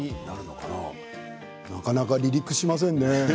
なかなか離陸しませんね。